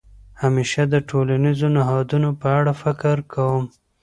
همېشه د ټولنیزو نهادونو په اړه فکر کوم.